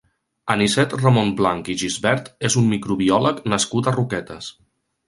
Anicet Ramon Blanch i Gisbert és un microbiòleg nascut a Roquetes.